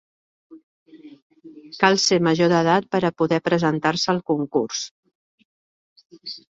Cal ser major d'edat per a poder presentar-se al concurs.